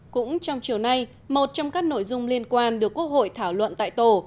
cũng trong chiều nay một trong các nội dung liên quan được quốc hội thảo luận tại tổ